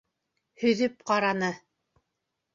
Һөҙөп ҡараны.